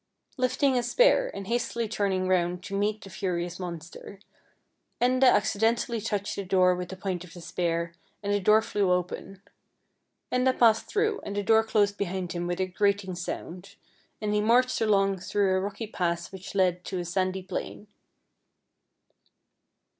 Lifting his spear and hastily turning round to meet the furious monster, Enda accidentally touched the door with the point of the spear, and the door flew open. Enda passed through, and 32 FAIRY TALES the door closed behind him with a grating sound, and he marched along through a rocky pass which led to a sandy plain.